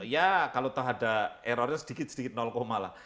ya kalau ada errornya sedikit sedikit koma lah